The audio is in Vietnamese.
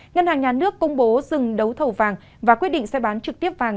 ngân hàng nhà nước công bố dừng đấu thầu vàng và quyết định sẽ bán trực tiếp vàng